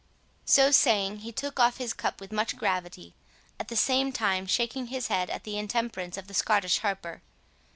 So saying, he took off his cup with much gravity, at the same time shaking his head at the intemperance of the Scottish harper.